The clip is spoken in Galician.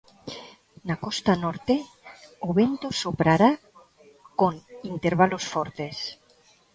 Na costa norte, o vento soprará con intervalos fortes.